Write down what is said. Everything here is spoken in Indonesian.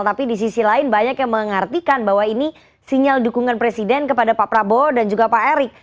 tapi di sisi lain banyak yang mengartikan bahwa ini sinyal dukungan presiden kepada pak prabowo dan juga pak erik